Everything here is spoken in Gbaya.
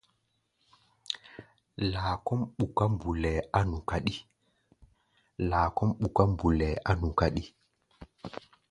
Laa kɔ́ʼm ɓuká mbulɛɛ á nu káɗí.